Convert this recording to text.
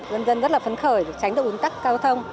dân dân rất là phấn khởi để tránh được ứng tắc cao thông